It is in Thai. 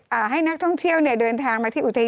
เพราะว่าให้นักท่องเที่ยวเนี่ยเดินทางมาที่อุทยานได้